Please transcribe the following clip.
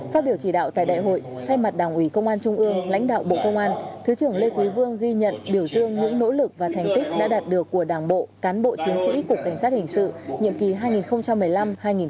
phát biểu chỉ đạo tại đại hội thay mặt đảng ủy công an trung ương lãnh đạo bộ công an thứ trưởng lê quý vương ghi nhận biểu dương những nỗ lực và thành tích đã đạt được của đảng bộ cán bộ chiến sĩ cục cảnh sát hình sự nhiệm kỳ hai nghìn một mươi năm hai nghìn hai mươi